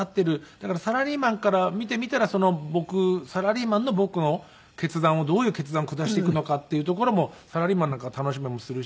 だからサラリーマンから見てみたらサラリーマンの僕の決断をどういう決断を下していくのかっていうところもサラリーマンなんかは楽しめもするし。